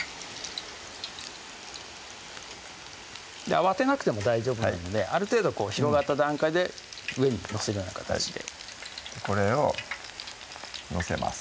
慌てなくても大丈夫なのである程度広がった段階で上に載せるような形でこれを載せます